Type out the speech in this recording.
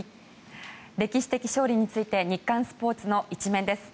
歴史的勝利について日刊スポーツの一面です。